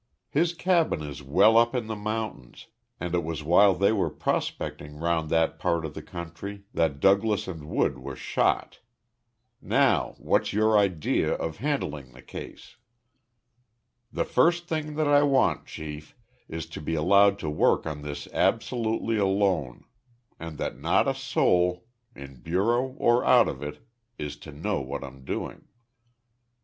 His cabin is well up in the mountains and it was while they were prospecting round that part of the country that Douglas and Wood were shot. Now what's your idea of handling the case?" "The first thing that I want, Chief, is to be allowed to work on this absolutely alone, and that not a soul, in bureau or out of it is to know what I'm doing."